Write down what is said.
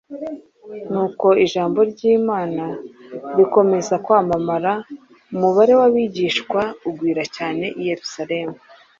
Nuko ijambo ry’Imana rikomeza kwamamara, umubare w’abigishwa ugwira cyane i Yerusalemu,